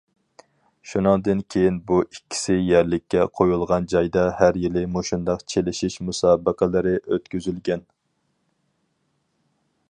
شۇنىڭدىن كېيىن، بۇ ئىككىسى يەرلىككە قويۇلغان جايدا ھەر يىلى مۇشۇنداق چېلىشىش مۇسابىقىلىرى ئۆتكۈزۈلگەن.